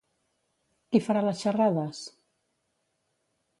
Qui farà les xerrades?